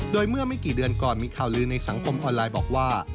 โดยเมื่อไม่กี่เดือนก่อนมีข่าวลือในสังคมออนไลน์บอกว่า